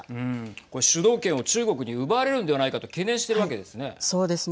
これ主導権を中国に奪われるのではないかと懸念しているわけですね。